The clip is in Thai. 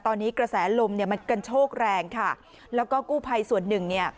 ตอนนี้กระแสลมเนี่ยมันกระโชกแรงค่ะแล้วก็กู้ภัยส่วนหนึ่งเนี่ย